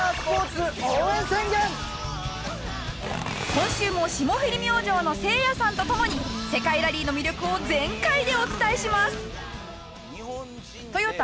今週も霜降り明星のせいやさんと共に世界ラリーの魅力を全開でお伝えします。